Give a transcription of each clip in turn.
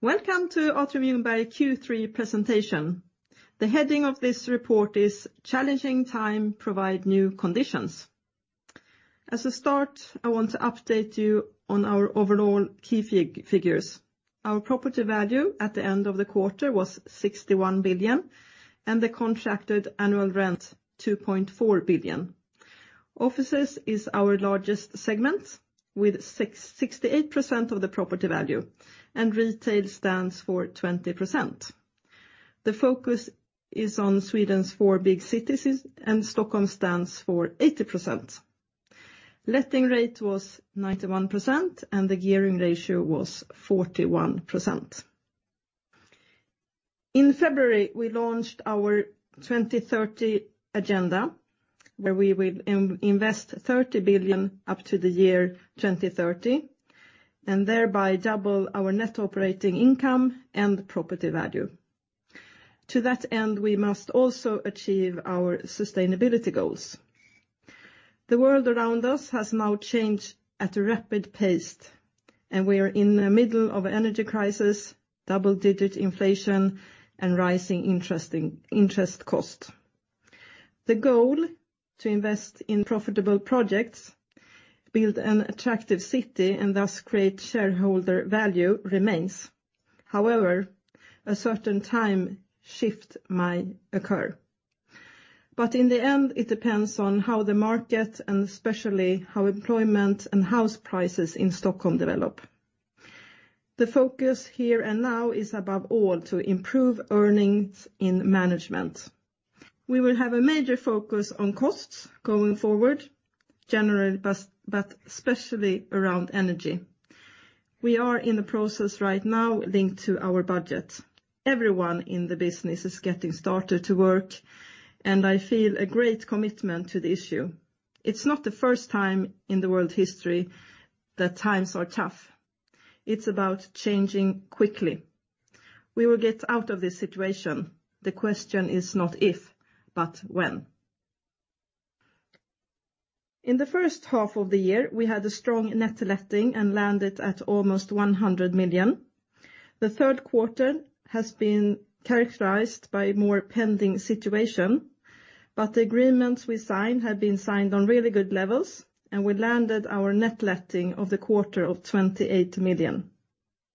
Welcome to Atrium Ljungberg Q3 presentation. The heading of this report is Challenging Times Provide New Conditions. As a start, I want to update you on our overall key figures. Our property value at the end of the quarter was 61 billion, and the contracted annual rent, 2.4 billion. Offices is our largest segment with 68% of the property value, and retail stands for 20%. The focus is on Sweden's four big cities, and Stockholm stands for 80%. Letting rate was 91%, and the gearing ratio was 41%. In February, we launched our 2030 agenda, where we will invest 30 billion up to the year 2030, and thereby double our net operating income and property value. To that end, we must also achieve our sustainability goals. The world around us has now changed at a rapid pace, and we are in the middle of energy crisis, double-digit inflation, and rising interest cost. The goal to invest in profitable projects, build an attractive city, and thus create shareholder value remains. However, a certain time shift might occur. In the end, it depends on how the market, and especially how employment and house prices in Stockholm develop. The focus here and now is, above all, to improve earnings in management. We will have a major focus on costs going forward, generally, but especially around energy. We are in the process right now linked to our budget. Everyone in the business is getting started to work, and I feel a great commitment to the issue. It's not the first time in the world history that times are tough. It's about changing quickly. We will get out of this situation. The question is not if, but when. In the first half of the year, we had a strong net letting and landed at almost 100 million. The third quarter has been characterized by more pending situation, but the agreements we signed have been signed on really good levels, and we landed our net letting of the quarter of 28 million.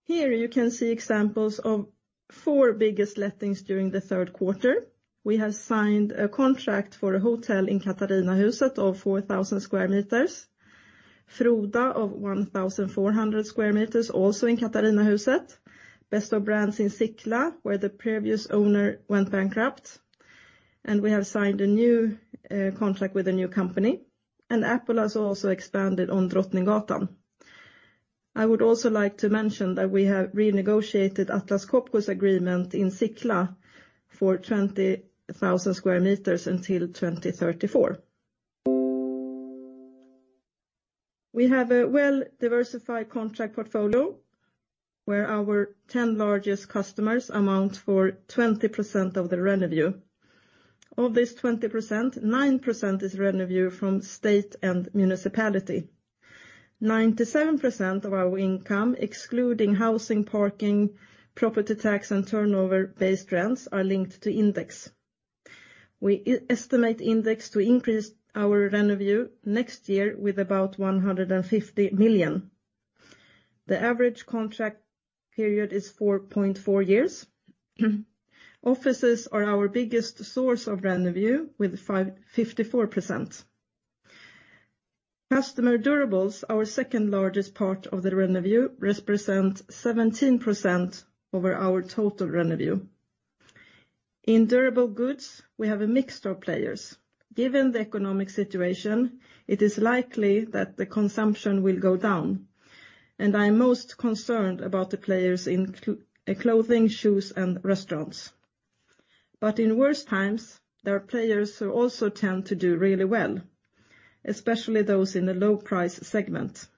Here you can see examples of four biggest lettings during the third quarter. We have signed a contract for a hotel in Katarinahuset of 4,000 sq m. Froda of 1,400 sq m also in Katarinahuset. Best of Brands in Sickla, where the previous owner went bankrupt, and we have signed a new contract with a new company. Apple has also expanded on Drottninggatan. I would also like to mention that we have renegotiated Atlas Copco's agreement in Sickla for 20,000 square meters until 2034. We have a well-diversified contract portfolio, where our 10 largest customers account for 20% of the revenue. Of this 20%, 9% is revenue from state and municipality. 97% of our income, excluding housing, parking, property tax, and turnover-based rents, are linked to index. We estimate index to increase our revenue next year with about 150 million. The average contract period is 4.4 years. Offices are our biggest source of revenue, with 54%. Consumer durables, our second-largest part of the revenue, represent 17% of our total revenue. In durable goods, we have a mix of players. Given the economic situation, it is likely that the consumption will go down, and I am most concerned about the players in clothing, shoes, and restaurants. In worse times, there are players who also tend to do really well, especially those in the low price segment.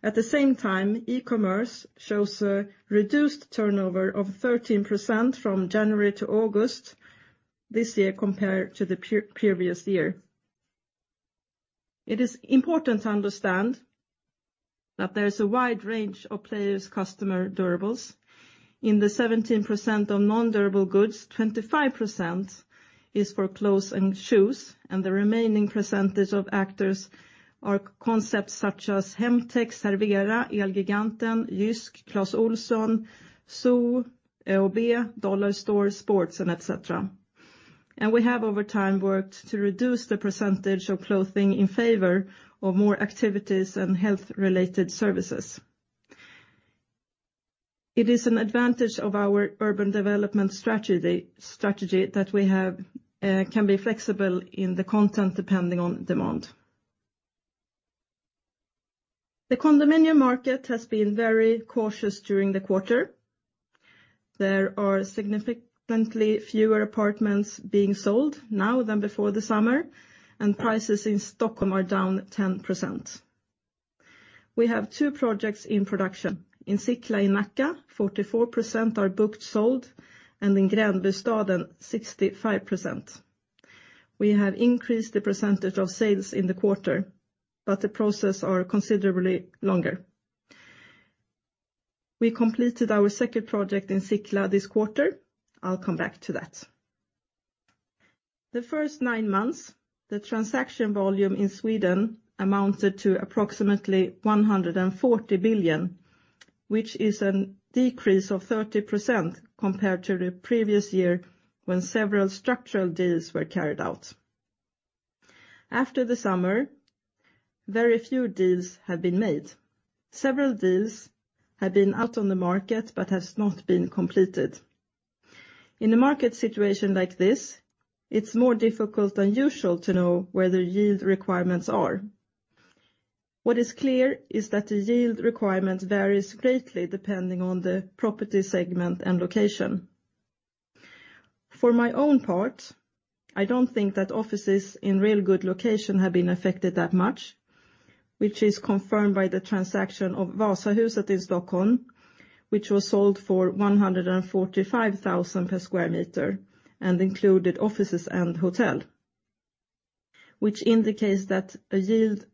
At the same time, e-commerce shows a reduced turnover of 13% from January to August this year compared to the previous year. It is important to understand that there is a wide range of players in consumer durables. In the 17% on non-durable goods, 25% is for clothes and shoes, and the remaining percentage of actors are concepts such as Hemtex, Cervera, Elgiganten, JYSK, Clas Ohlson, ZOO.SE, Åhléns, Dollarstore, Stadium, and et cetera. We have over time worked to reduce the percentage of clothing in favor of more activities and health-related services. It is an advantage of our urban development strategy can be flexible in the content depending on demand. The condominium market has been very cautious during the quarter. There are significantly fewer apartments being sold now than before the summer, and prices in Stockholm are down 10%. We have two projects in production. In Sickla, in Nacka, 44% are booked sold, and in Gränbystaden, 65%. We have increased the percentage of sales in the quarter, but the process are considerably longer. We completed our second project in Sickla this quarter. I'll come back to that. The first nine months, the transaction volume in Sweden amounted to approximately 140 billion, which is a decrease of 30% compared to the previous year when several structural deals were carried out. After the summer, very few deals have been made. Several deals have been out on the market but has not been completed. In a market situation like this, it's more difficult than usual to know where the yield requirements are. What is clear is that the yield requirement varies greatly depending on the property segment and location. For my own part, I don't think that offices in really good location have been affected that much, which is confirmed by the transaction of Vasahuset in Stockholm, which was sold for 145,000 per square meter and included offices and hotel, which indicates that a yield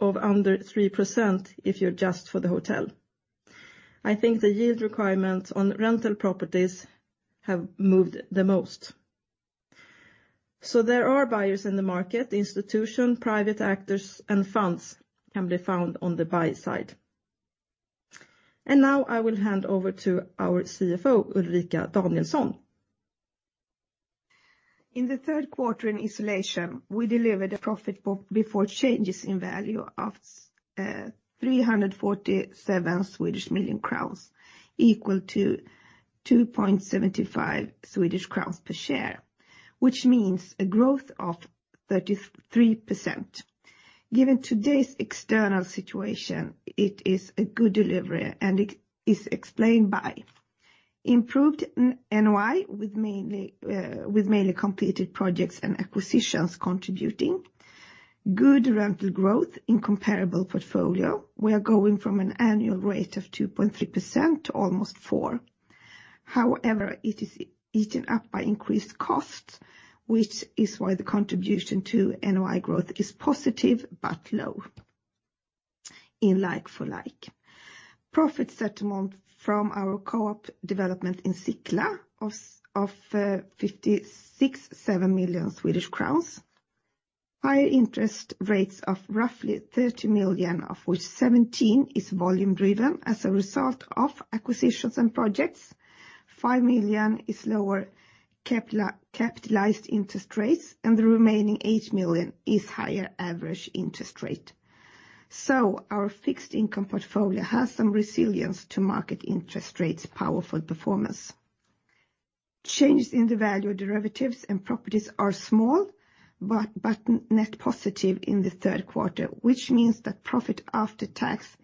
of under 3% if you adjust for the hotel. I think the yield requirement on rental properties have moved the most. There are buyers in the market. Institutions, private actors, and funds can be found on the buy side. Now I will hand over to our CFO, Ulrika Danielsson. In the third quarter in isolation, we delivered a profit before changes in value of 347 million crowns, equal to 2.75 Swedish crowns per share, which means a growth of 33%. Given today's external situation, it is a good delivery, and it is explained by improved NOI with mainly completed projects and acquisitions contributing. Good rental growth in comparable portfolio. We are going from an annual rate of 2.3% to almost 4%. However, it is eaten up by increased costs, which is why the contribution to NOI growth is positive but low in like-for-like. Profit settlement from our co-op development in Sickla of 56.7 million Swedish crowns. Higher interest rates of roughly 30 million, of which 17 million is volume-driven as a result of acquisitions and projects. 5 million is lower capitalized interest rates, and the remaining 8 million is higher average interest rate. Our fixed income portfolio has some resilience to market interest rates' volatile performance. Changes in the value of derivatives and properties are small but net positive in the third quarter, which means that profit after tax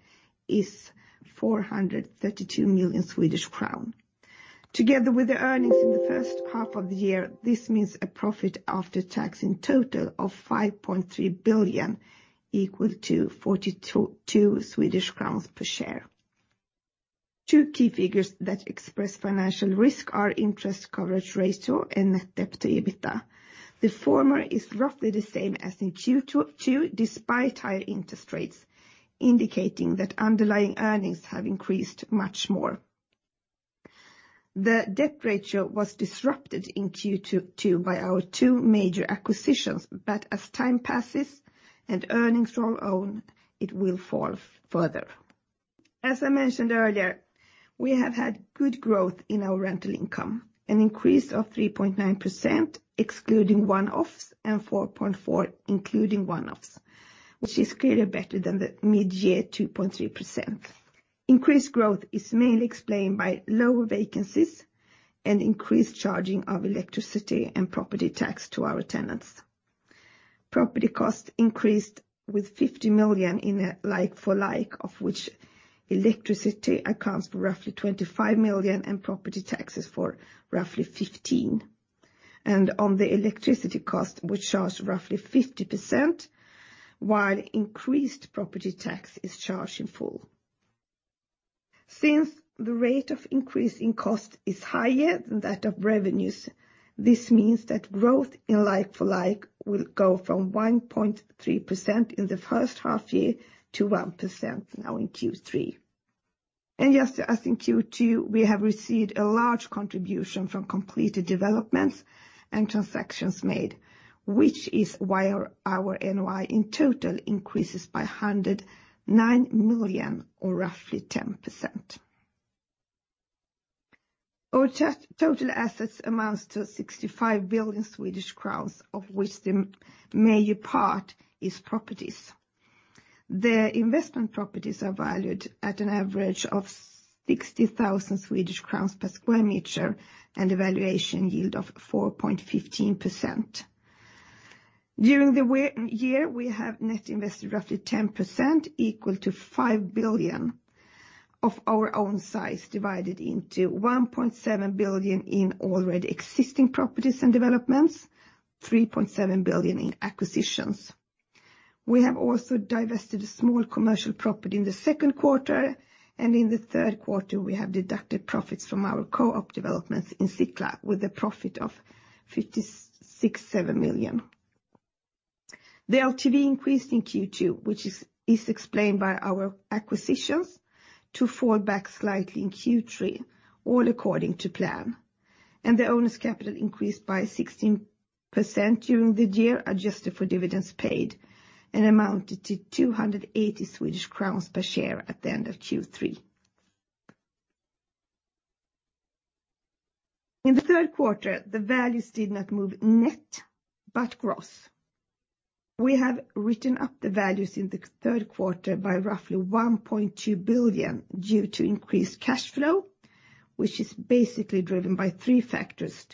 is 432 million Swedish crown. Together with the earnings in the first half of the year, this means a profit after tax in total of 5.3 billion, equal to 42 Swedish crowns per share. Two key figures that express financial risk are interest coverage ratio and net debt to EBITDA. The former is roughly the same as in Q2, despite higher interest rates, indicating that underlying earnings have increased much more. The debt ratio was disrupted in Q2 by our two major acquisitions, but as time passes and earnings roll on, it will fall further. As I mentioned earlier, we have had good growth in our rental income, an increase of 3.9%, excluding one-offs, and 4.4%, including one-offs, which is clearly better than the mid-year 2.3%. Increased growth is mainly explained by lower vacancies and increased charging of electricity and property tax to our tenants. Property costs increased with 50 million in a like-for-like, of which electricity accounts for roughly 25 million and property taxes for roughly 15 million. On the electricity cost, we charge roughly 50%, while increased property tax is charged in full. Since the rate of increase in cost is higher than that of revenues, this means that growth in like-for-like will go from 1.3% in the first half year to 1% now in Q3. Just as in Q2, we have received a large contribution from completed developments and transactions made, which is why our NOI in total increases by 109 million or roughly 10%. Our total assets amounts to 65 billion Swedish crowns, of which the major part is properties. The investment properties are valued at an average of 60,000 Swedish crowns per square meter and a valuation yield of 4.15%. During the year, we have net invested roughly 10% equal to 5 billion of our own size, divided into 1.7 billion in already existing properties and developments, 3.7 billion in acquisitions. We have also divested a small commercial property in the second quarter, and in the third quarter, we have deducted profits from our co-op developments in Sickla with a profit of 56.7 million. The LTV increased in Q2, which is explained by our acquisitions to fall back slightly in Q3, all according to plan. The owner's capital increased by 16% during the year, adjusted for dividends paid, and amounted to 280 Swedish crowns per share at the end of Q3. In the third quarter, the values did not move net, but gross. We have written up the values in the third quarter by roughly 1.2 billion due to increased cash flow, which is basically driven by three factors,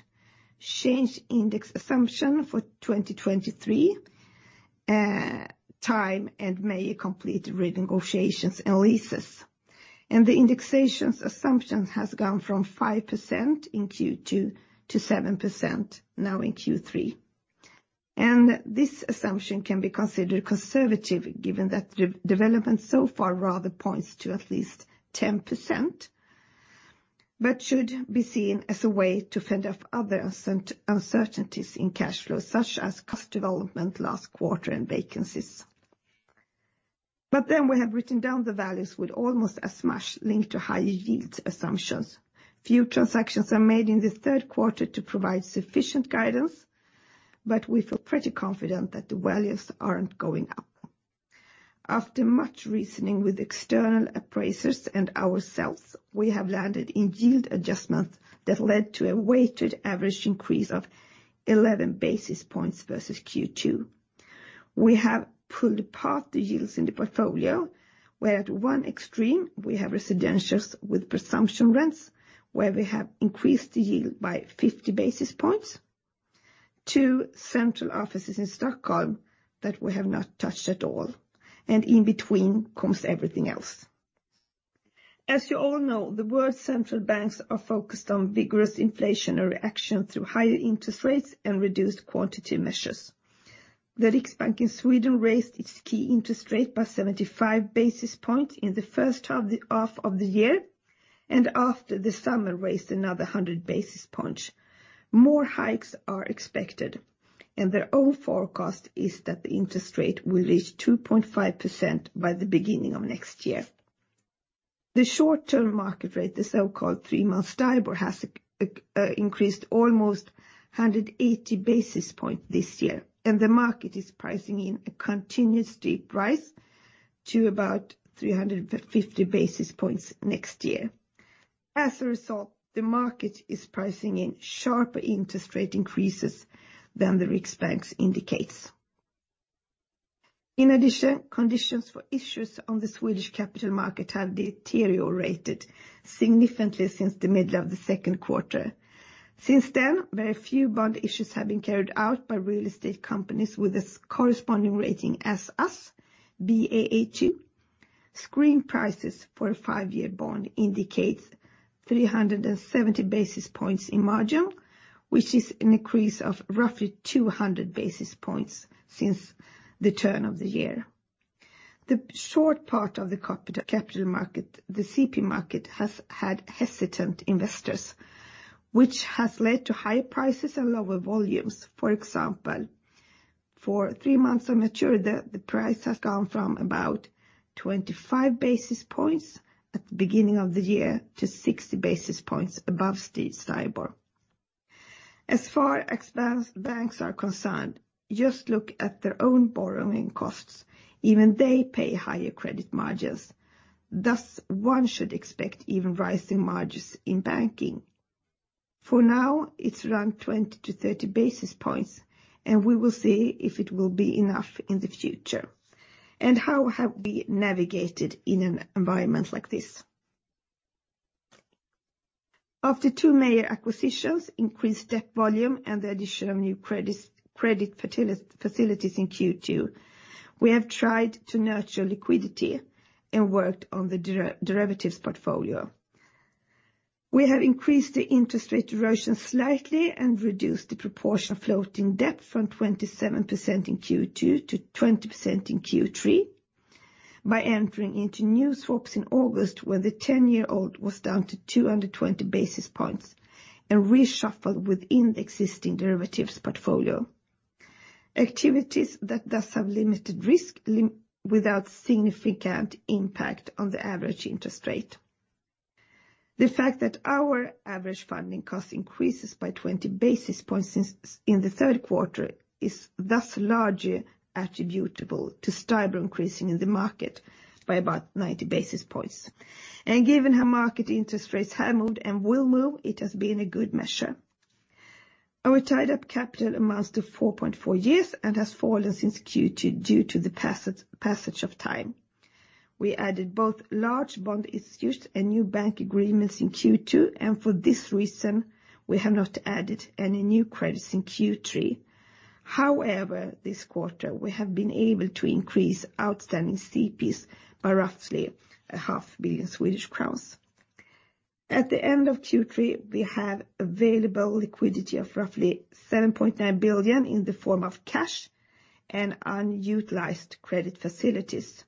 changed indexation assumption for 2023, timing, and completed renegotiations and leases. The indexation assumption has gone from 5% in Q2 to 7% now in Q3. This assumption can be considered conservative given that development so far rather points to at least 10%, but should be seen as a way to fend off other uncertainties in cash flow, such as cost development last quarter and vacancies. We have written down the values with almost as much linked to higher yield assumptions. Few transactions are made in the third quarter to provide sufficient guidance, but we feel pretty confident that the values aren't going up. After much reasoning with external appraisers and ourselves, we have landed in yield adjustments that led to a weighted average increase of 11 basis points versus Q2. We have pulled apart the yields in the portfolio, where at one extreme, we have residentials with presumption rents, where we have increased the yield by 50 basis points to central offices in Stockholm that we have not touched at all. In between comes everything else. As you all know, the world's central banks are focused on vigorous inflationary action through higher interest rates and reduced quantity measures. The Riksbank in Sweden raised its key interest rate by 75 basis points in the first half of the year, and after the summer, raised another 100 basis points. More hikes are expected, and their own forecast is that the interest rate will reach 2.5% by the beginning of next year. The short-term market rate, the so-called three-month STIBOR, has increased almost 180 basis points this year, and the market is pricing in a continuous steep rise to about 350 basis points next year. As a result, the market is pricing in sharper interest rate increases than the Riksbank's indicates. In addition, conditions for issues on the Swedish capital market have deteriorated significantly since the middle of the second quarter. Since then, very few bond issues have been carried out by real estate companies with a corresponding rating as us, Baa2. Swap prices for a five-year bond indicate 370 basis points in margin, which is an increase of roughly 200 basis points since the turn of the year. The short part of the capital market, the CP market, has had hesitant investors, which has led to higher prices and lower volumes. For example, for three months of maturity, the price has gone from about 25 basis points at the beginning of the year to 60 basis points above STIBOR. As far as banks are concerned, just look at their own borrowing costs. Even they pay higher credit margins. Thus, one should expect even rising margins in banking. For now, it's around 20-30 basis points, and we will see if it will be enough in the future. How have we navigated in an environment like this? After two major acquisitions, increased debt volume, and the addition of new credit facilities in Q2, we have tried to nurture liquidity and worked on the derivatives portfolio. We have increased the interest rate erosion slightly and reduced the proportion of floating debt from 27% in Q2 to 20% in Q3 by entering into new swaps in August when the 10-year yield was down to 220 basis points and reshuffled within the existing derivatives portfolio. Activities that do have limited risk without significant impact on the average interest rate. The fact that our average funding cost increases by 20 basis points since in the third quarter is thus largely attributable to STIBOR increasing in the market by about 90 basis points. Given how market interest rates have moved and will move, it has been a good measure. Our tied-up capital amounts to 4.4 years and has fallen since Q2 due to the passage of time. We added both large bond issues and new bank agreements in Q2, and for this reason, we have not added any new credits in Q3. However, this quarter, we have been able to increase outstanding CPs by roughly a half billion SEK. At the end of Q3, we have available liquidity of roughly 7.9 billion in the form of cash and unutilized credit facilities.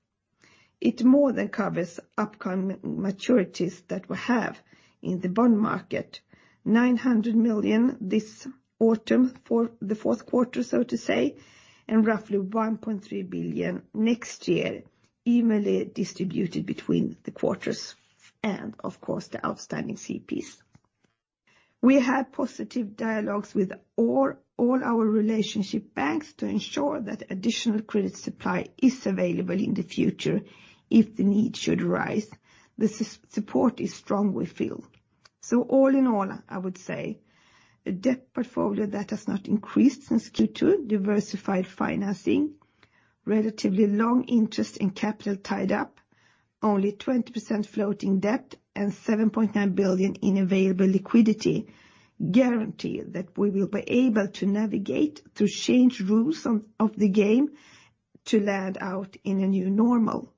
It more than covers upcoming maturities that we have in the bond market. 900 million this autumn for the fourth quarter, so to say, and roughly 1.3 billion next year evenly distributed between the quarters and of course, the outstanding CPs. We have positive dialogues with all our relationship banks to ensure that additional credit supply is available in the future if the need should rise. The support is strong we feel. All in all, I would say a debt portfolio that has not increased since Q2, diversified financing, relatively long interest and capital tied up, only 20% floating debt, and 7.9 billion in available liquidity guarantee that we will be able to navigate through changed rules of the game to land up in a new normal.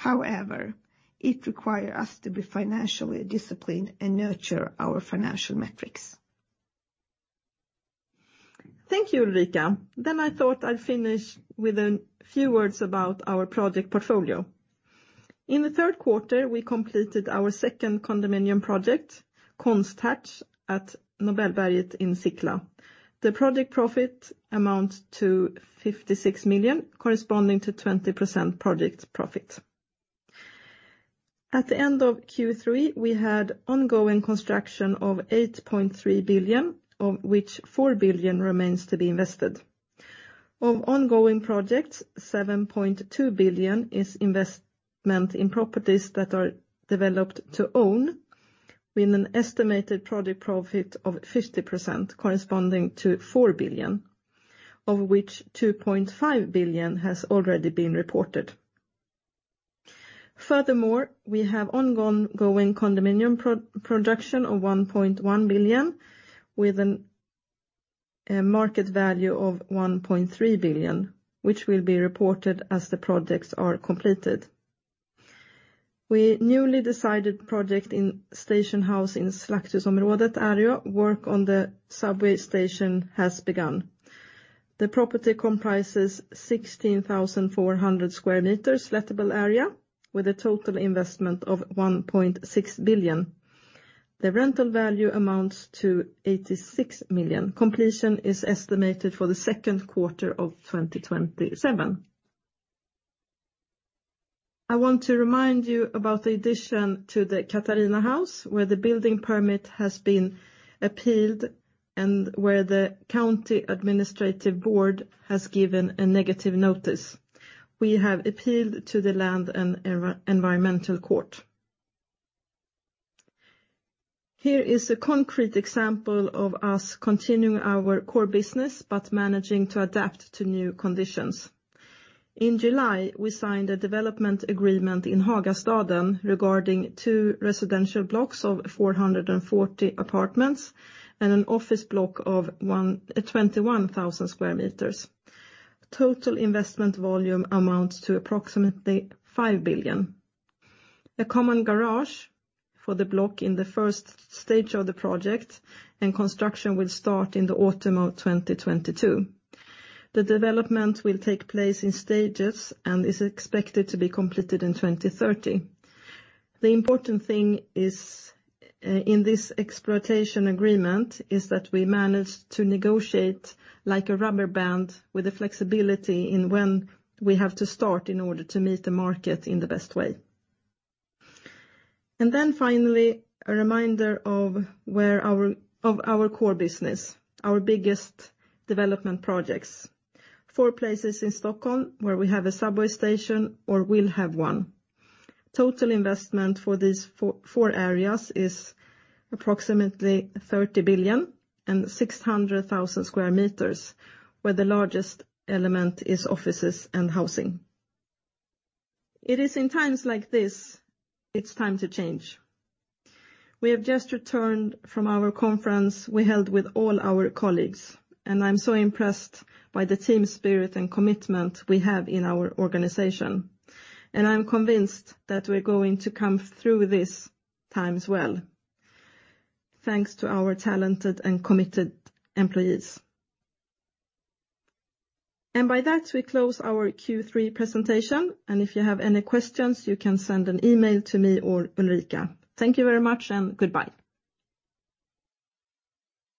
However, it require us to be financially disciplined and nurture our financial metrics. Thank you, Ulrika. I thought I'd finish with a few words about our project portfolio. In the third quarter, we completed our second condominium project, Konstharts at Nobelberget in Sickla. The project profit amounts to 56 million, corresponding to 20% project profit. At the end of Q3, we had ongoing construction of 8.3 billion, of which 4 billion remains to be invested. Of ongoing projects, 7.2 billion is investment in properties that are developed to own with an estimated project profit of 50% corresponding to 4 billion, of which 2.5 billion has already been reported. Furthermore, we have ongoing condominium production of 1.1 billion with a market value of 1.3 billion, which will be reported as the projects are completed. We newly decided project in Stationshuset in Slakthusområdet area, work on the subway station has begun. The property comprises 16,400 square meters lettable area with a total investment of 1.6 billion. The rental value amounts to 86 million. Completion is estimated for the second quarter of 2027. I want to remind you about the addition to the Katarina House, where the building permit has been appealed and where the county administrative board has given a negative notice. We have appealed to the land and environmental court. Here is a concrete example of us continuing our core business but managing to adapt to new conditions. In July, we signed a development agreement in Hagastaden regarding two residential blocks of 440 apartments and an office block of 21,000 square meters. Total investment volume amounts to approximately 5 billion. A common garage for the block in the first stage of the project and construction will start in the autumn of 2022. The development will take place in stages and is expected to be completed in 2030. The important thing is, in this exploitation agreement is that we managed to negotiate like a rubber band with the flexibility in when we have to start in order to meet the market in the best way. A reminder of where our core business, our biggest development projects. Four places in Stockholm where we have a subway station or will have one. Total investment for these four areas is approximately 30 billion and 600,000 square meters, where the largest element is offices and housing. It is in times like this, it's time to change. We have just returned from our conference we held with all our colleagues, and I'm so impressed by the team spirit and commitment we have in our organization. I'm convinced that we're going to come through this time as well, thanks to our talented and committed employees. By that, we close our Q3 presentation. If you have any questions, you can send an email to me or Ulrika. Thank you very much and goodbye.